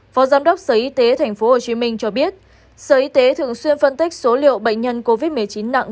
phó giám đốc sở y tế tp hcm cho biết sở y tế thường xuyên phân tích số liệu bệnh nhân covid một mươi chín nặng